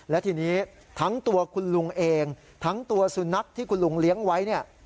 และทีนี้ทั้งตัวคุณลุงเองทั้งตัวสุนัขที่คุณลุงเลี้ยงไว้เนี่ย